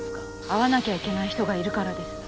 会わなきゃいけない人がいるからです。